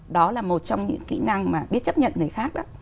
đó là một trong những kỹ năng mà biết chấp nhận người khác đó